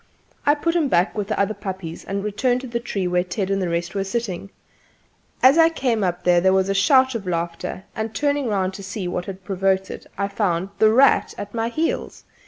I put him back with the other puppies and returned to the tree where Ted and the rest were sitting. As I came up there was a shout of laughter, and turning round to see what had provoked it I found "The Rat" at my heels.